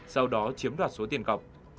sau đó chiếm đoạt số tiền cọc